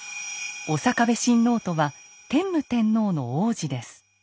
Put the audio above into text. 刑部親王とは天武天皇の皇子です。